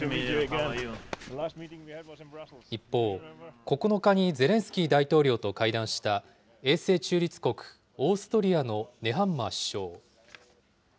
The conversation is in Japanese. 一方、９日にゼレンスキー大統領と会談した、永世中立国、オーストリアのネハンマー首相。